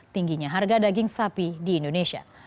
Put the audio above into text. tingginya harga daging sapi di indonesia